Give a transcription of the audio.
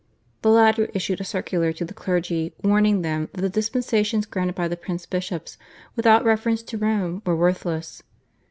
The latter issued a circular to the clergy warning them that the dispensations granted by the prince bishops without reference to Rome were worthless.